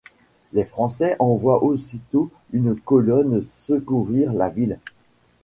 Les Français envoient aussitôt une colonne secourir la ville.